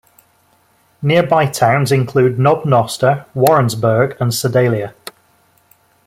Nearby towns include Knob Noster, Warrensburg and Sedalia.